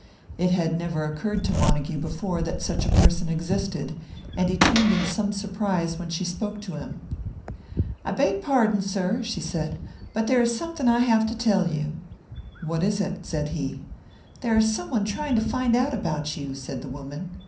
It had never occurred to Montague before that such a person existed; and he turned in some surprise when she spoke to him. "I beg pardon, sir," she said. "But there is something I have to tell you." "What is it?" said he. "There is someone trying to find out about you," said the woman.